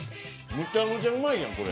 めちゃめちゃうまいやん、これ。